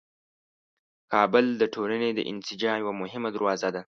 کابل د ټولنې د انسجام یوه مهمه دروازه ده.